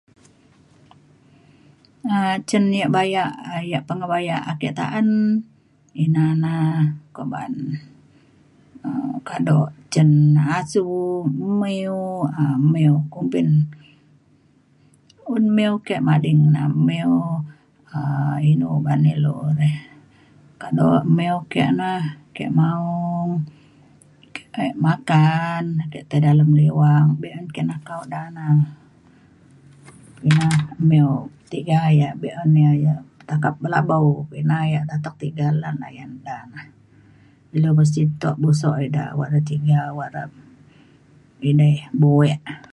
na’at cin ia’ bayak ia’ pengebayak ake ta’an ina na kuak ba’an um kado cin asu mew um mew kumbin un mew ke mading na mew um inu uban ilu re. kado mew ke na ke maong ke makan ke tai dalem liwang be’un ke nakau ida na. na mew tiga ia’ be’un ia’ ia' takap belabau ina ia’ atek tiga lan layan da na. ilu mesti tuk muso ida awak da ti tiga awak da ina ia’ buek